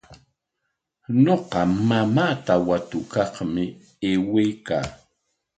Ñuqa mamaata watukaqmi aywaykaa.